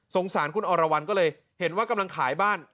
สารคุณอรวรรณก็เลยเห็นว่ากำลังขายบ้าน